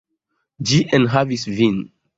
Ĝi enhavis vin.